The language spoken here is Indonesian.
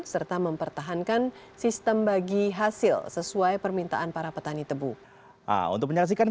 serta mempertahankan sistem bagi hasil sesuai permintaan para petani tebu